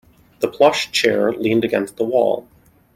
The plush chair leaned against the wall.